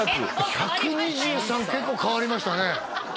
１２３結構変わりましたね